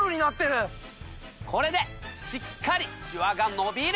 これでしっかりシワがのびる！